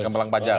yang melang pajak